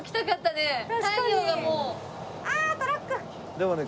でもね。